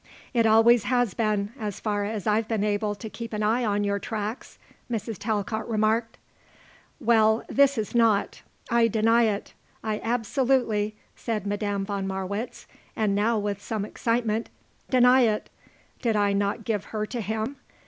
"It always has been, as far as I've been able to keep an eye on your tracks," Mrs. Talcott remarked. "Well, this is not. I deny it. I absolutely," said Madame von Marwitz, and now with some excitement, "deny it. Did I not give her to him?